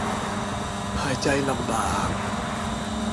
หายใจลำบาก